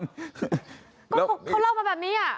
เขาเล่ามาแบบนี้อ่ะ